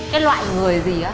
cái loại người gì á